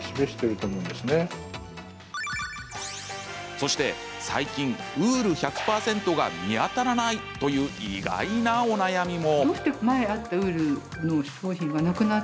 そして、最近ウール１００％が見当たらないという意外なお悩みも。